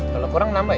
kalau kurang nambah ya